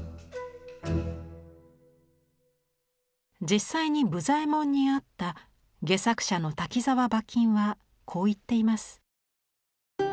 実際に武左衛門に会った戯作者の滝沢馬琴はこう言っています。